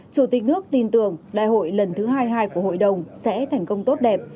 chủ tịch nước tin tưởng đại hội lần thứ hai mươi hai của hội đồng sẽ thành công tốt đẹp